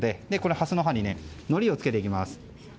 ハスの葉にのりをつけていきます。